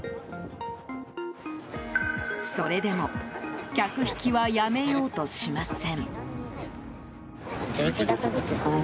それでも客引きはやめようとしません。